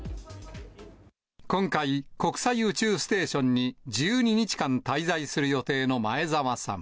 今回、国際宇宙ステーションに１２日間滞在する予定の前澤さん。